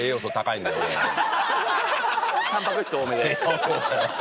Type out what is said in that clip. たんぱく質多めで。